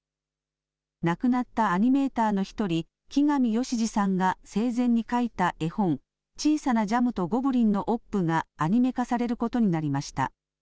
亡くなったアニメーターの１人、木上益治さんが生前に描いた絵本、小さなジャムとゴブリンのオップがアニメ化されることになりました。